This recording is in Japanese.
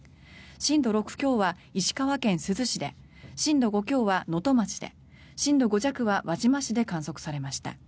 震度６強は石川県珠洲市で震度６強は能登町で震度５弱は輪島市で観測されました。